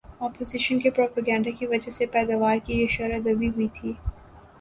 opposition کے propaganda کی وجہ سے پیداوار کی یہ شرح دبی ہوئی تھی